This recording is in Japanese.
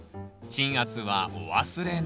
鎮圧はお忘れなく